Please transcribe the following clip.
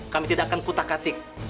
kami tidak akan kutak atik